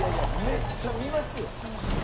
めっちゃ見ますよ。